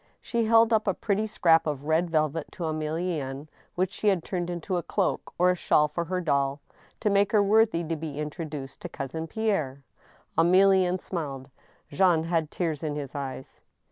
She held up a pretty scrap of red velvet to Emilienne, which she had turned into a cloak or a shawl for her doll, to make her worthy to be introduced to Cousin Pierre. Emilienne smiled, Jean had tears in his eyes.